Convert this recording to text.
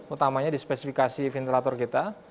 utamanya di spesifikasi ventilator kita